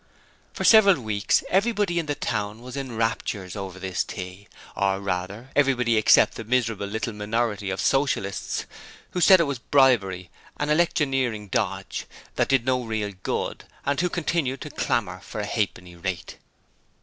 For several weeks everybody in the town was in raptures over this tea or, rather, everybody except a miserable little minority of Socialists, who said it was bribery, an electioneering dodge, that did no real good, and who continued to clamour for a halfpenny rate.